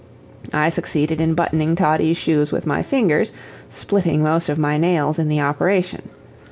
I succeeded in buttoning Toddie's shoes with my fingers, splitting most of my nails in the operation.